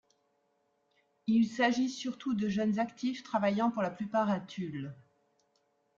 Il s'agit surtout de jeunes actifs travaillant pour la plupart à Tulle.